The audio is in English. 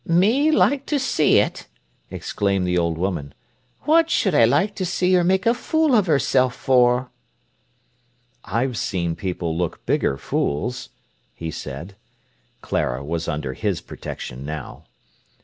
"Me like to see it!" exclaimed the old woman. "What should I like to see her make a fool of herself for?" "I've seen people look bigger fools," he said. Clara was under his protection now.